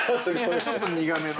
ちょっと苦めの。